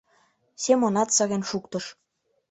— Семонат сырен шуктыш.